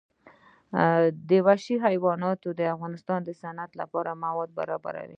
وحشي حیوانات د افغانستان د صنعت لپاره مواد برابروي.